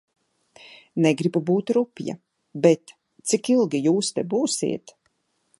Negribu būt rupja, bet cik ilgi jūs te būsiet?